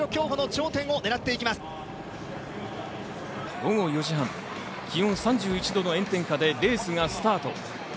午後４時半、気温３１度の炎天下でレースがスタート。